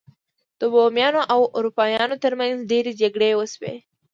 د بومیانو او اروپایانو ترمنځ ډیرې جګړې وشوې.